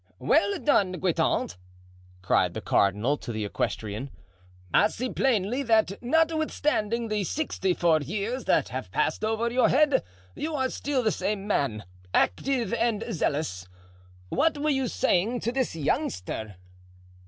"Well done, Guitant," cried the cardinal to the equestrian; "I see plainly that, notwithstanding the sixty four years that have passed over your head, you are still the same man, active and zealous. What were you saying to this youngster?"